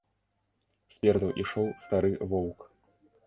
Спераду ішоў стары воўк.